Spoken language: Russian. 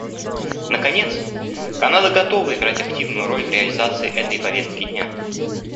Наконец, Канада готова играть активную роль в реализации этой повестки дня.